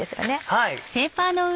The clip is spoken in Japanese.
はい。